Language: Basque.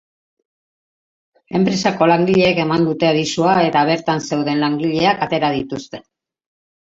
Enpresako langileek eman dute abisua eta bertan zeuden langileak atera dituzte.